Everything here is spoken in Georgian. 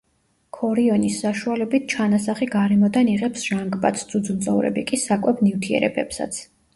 ქორიონის საშუალებით ჩანასახი გარემოდან იღებს ჟანგბადს, ძუძუმწოვრები კი საკვებ ნივთიერებებსაც.